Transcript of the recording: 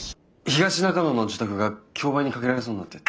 東中野の自宅が競売にかけられそうになって。